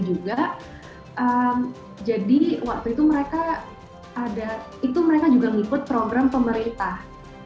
jadi waktu itu mereka juga mengikut program pemerintah